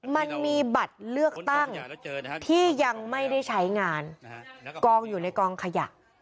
มันมีบัตรเลือกตั้งที่ยังไม่ได้ใช้งานกองอยู่ในกองขยะ